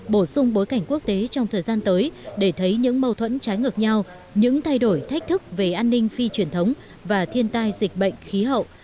bổ sung bối cảnh quốc tế trong thời gian tới để thấy những mâu thuẫn trái ngược nhau những thay đổi thách thức về an ninh phi truyền thống và thiên tai dịch bệnh khí hậu